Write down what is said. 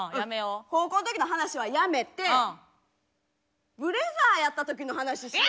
高校の時の話はやめてブレザーやった時の話しよう。